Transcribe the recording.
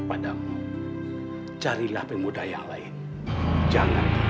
padamu carilah pemuda yang lain jangan